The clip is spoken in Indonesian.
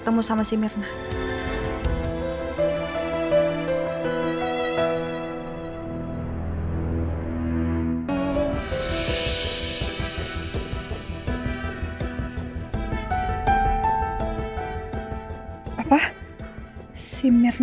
tapi ada mirna di situ